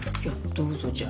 どうぞじゃ。